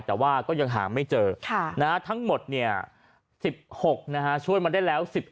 แต่ว่าก็ยังหาไม่เจอทั้งหมด๑๖ช่วยมาได้แล้ว